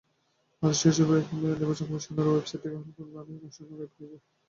আর সেই চাপে নির্বাচন কমিশনের ওয়েবসাইট থেকে হলফনামাগুলো রহস্যজনকভাবে গায়েব হয়ে যায়।